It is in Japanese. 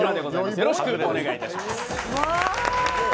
よろしくお願いします。